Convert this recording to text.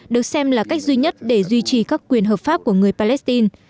được xem là cách duy nhất để duy trì các quyền hợp pháp của người palestine